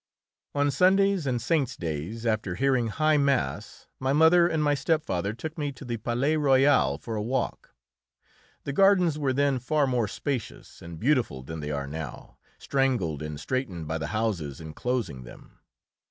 On Sundays and saints' days, after hearing high mass, my mother and my stepfather took me to the Palais Royal for a walk. The gardens were then far more spacious and beautiful than they are now, strangled and straightened by the houses enclosing them.